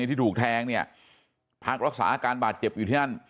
ที่ถูกแทงเนี่ยพักรักษาอาการบาดเจ็บอยู่ที่นั่น